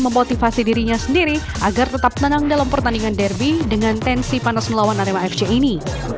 memotivasi dirinya sendiri agar tetap tenang dalam pertandingan derby dengan tensi panas melawan arema fc ini